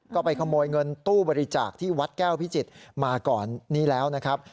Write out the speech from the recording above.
ก็ไปขโมยเงินตู้บริจาคที่วัดแก้วพิจิตรมาก่อนนี้แล้วนะครับ